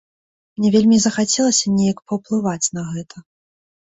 Мне вельмі захацелася неяк паўплываць на гэта.